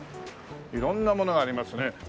色んなものがありますね。